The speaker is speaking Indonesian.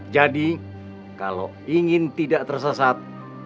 jadi kalau ingin tidak tersesat